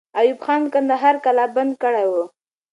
ایوب خان کندهار قلابند کړی وو.